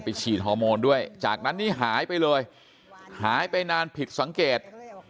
ฉีดฮอร์โมนด้วยจากนั้นนี่หายไปเลยหายไปนานผิดสังเกต